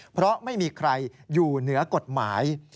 เพราะไม่มีใครอยู่เหนือกฎหมาย